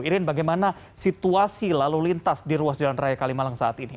irin bagaimana situasi lalu lintas di ruas jalan raya kalimalang saat ini